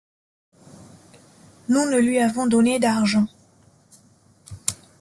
Nous ne lui avons donné d'argent.